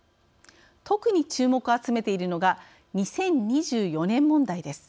特に注目を集めているのが２０２４年問題です。